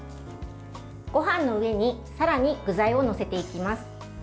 ごはんの上にさらに具材を載せていきます。